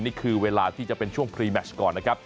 นี่คือเวลาที่จะเป็นช่วงพรีแมชก่อนนะครับ